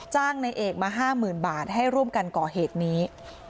ในเอกมา๕๐๐๐บาทให้ร่วมกันก่อเหตุนี้